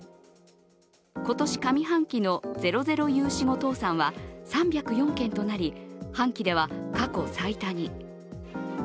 今年上半期のゼロゼロ融資後倒産は３０４件となり、半期では過去最多に。